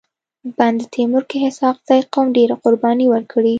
بند تيمور کي اسحق زي قوم ډيري قرباني ورکړي.